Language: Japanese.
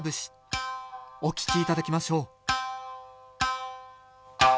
お聴きいただきましょう